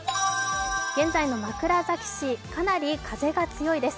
現在の枕崎市、かなり風が強いです。